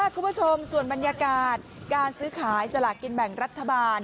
คุณผู้ชมส่วนบรรยากาศการซื้อขายสลากกินแบ่งรัฐบาล